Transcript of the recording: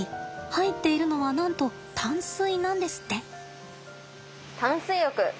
入っているのはなんと淡水なんですって。